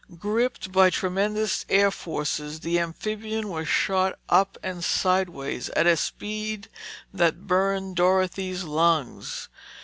Gripped by tremendous air forces, the amphibian was shot up and sideways, at a speed that burned Dorothy's lungs.